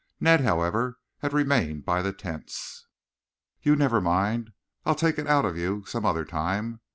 Ned, however, had remained by the tents. "You never mind! I'll take it out of you some other time.